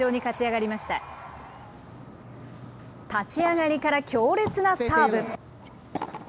立ち上がりから強烈なサーブ。